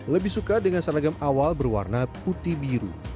lebih suka dengan seragam awal berwarna putih biru